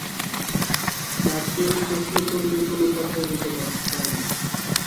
তাকে প্রশ্ন করলে কোনো কথাই বলতে পারে না।